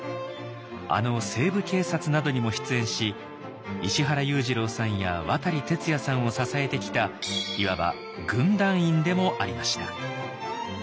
あの「西部警察」などにも出演し石原裕次郎さんや渡哲也さんを支えてきたいわば軍団員でもありました。